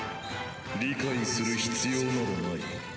理解する必要などない。